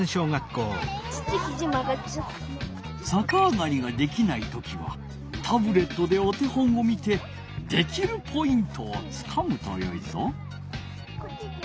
さかあがりができない時はタブレットでお手本を見てできるポイントをつかむとよいぞ。